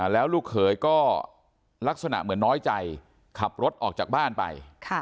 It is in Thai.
แล้วลูกเขยก็ลักษณะเหมือนน้อยใจขับรถออกจากบ้านไป